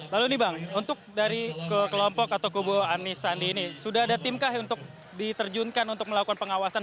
lalu nih bang untuk dari ke kelompok atau kubu anies sandi ini sudah ada timkah untuk diterjunkan untuk melakukan pengawasan